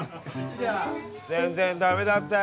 全然駄目だったよ。